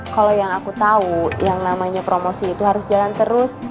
kalau yang aku tahu yang namanya promosi itu harus jalan terus